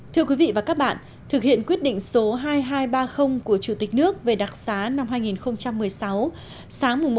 thưa quý vị và các bạn thực hiện quyết định số hai nghìn hai trăm ba mươi của chủ tịch nước về đặc xá năm hai nghìn một mươi sáu